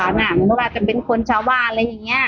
อันทน้องระชานะน้ำปาจะเป็นคนชาวาอะไรอย่างเงี้ย